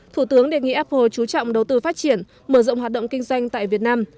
thủ tướng đề nghị apple chú trọng đầu tư phát triển mở rộng hoạt động kinh doanh tại việt nam